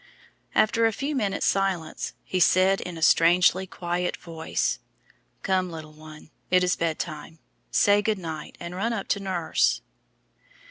After a few minutes' silence he said, in a strangely quiet voice: "Come, little one, it is bedtime; say 'Good night,' and run up to nurse!"